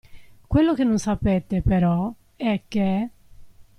Quello che non sapete, però, è che.